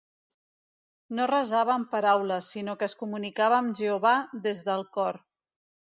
No resava amb paraules, sinó que es comunicava amb Jehovà des del cor.